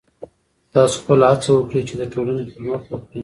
تاسو خپله هڅه وکړئ چې د ټولنې خدمت وکړئ.